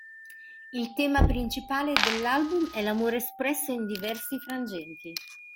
Il tema principale dell'album è l'amore espresso in diversi frangenti.